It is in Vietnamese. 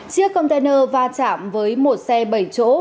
chiếc container va chạm với một xe bảy chỗ